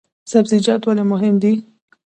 سبزیجات ولې مهم دي؟